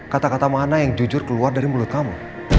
kata kata mana yang jujur keluar dari mulut kamu